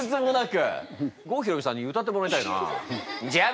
郷ひろみさんに歌ってもらいたいな。